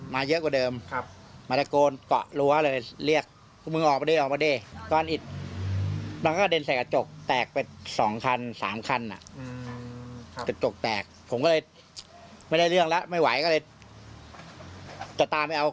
ไม่ไหวก็เลยจะตามไปเอา